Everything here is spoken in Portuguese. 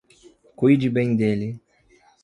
Cuide bem dele.